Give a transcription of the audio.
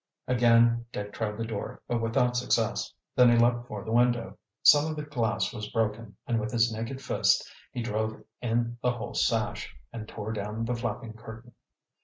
Again Dick tried the door, but without success. Then he leaped for the window. Some of the glass was broken, and with his naked fist he drove in the whole sash, and tore down the flapping curtain.